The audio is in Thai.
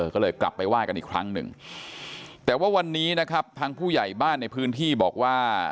ก็เลยกลับไปไหว้กันอีกครั้งหนึ่งแต่ว่าวันนี้นะครับทางผู้ใหญ่บ้านในพื้นที่บอกว่า